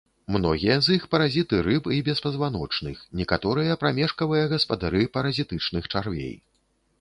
Многія з іх паразіты рыб і беспазваночных, некаторыя прамежкавыя гаспадары паразітычных чарвей.